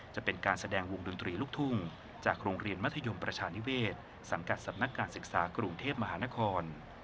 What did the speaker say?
จะเป็นการแสดงวงดนตรีลูกทุ่งจากโรงเรียนมัธยมประชานิเวศสังกัดสำนักการศึกษากรุงเทพมหานคร